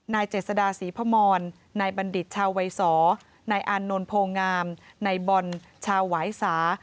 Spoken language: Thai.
เจษดาศรีพมรนายบัณฑิตชาววัยสนายอานนท์โพงามนายบอลชาวหวายสา